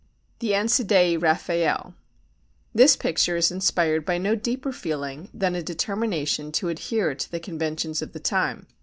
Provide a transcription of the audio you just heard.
The Ansidei Raffaelle This picture is inspired by no deeper feeling than a determination to adhere to the conventions of the time.